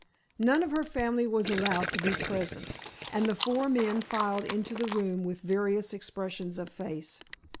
None of her family was allowed to be present, and the four men filed into the room with various expressions of face.